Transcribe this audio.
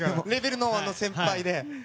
レーベルの先輩で。